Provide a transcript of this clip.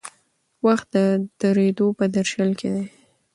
وخت د درېدو په درشل کې دی.